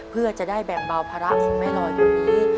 เพื่อจะได้แบ่งเบาภาระของแม่ลอยอยู่นี้